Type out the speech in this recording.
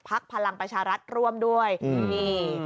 พลังประชารัฐร่วมด้วยนี่